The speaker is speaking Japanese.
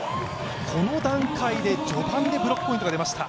この段階で序盤でブロックポイントが出ました。